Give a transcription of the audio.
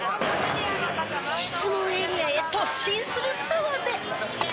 質問エリアへ突進する澤部。